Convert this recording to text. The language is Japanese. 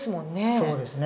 そうですね。